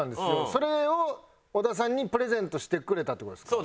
それを小田さんにプレゼントしてくれたって事ですか？